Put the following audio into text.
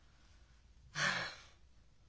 ああ。